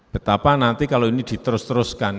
betapa nanti kalau ini diterus teruskan